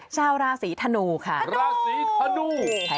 ชาวราศรีธนูค่ะธนู